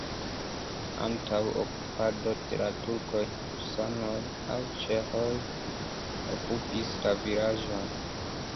Antaŭ okupado de la turkoj husanoj aŭ ĉeĥoj okupis la vilaĝon.